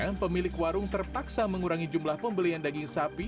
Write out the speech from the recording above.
m pemilik warung terpaksa mengurangi jumlah pembelian daging sapi